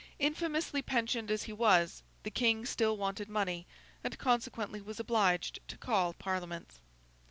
Infamously pensioned as he was, the King still wanted money, and consequently was obliged to call Parliaments.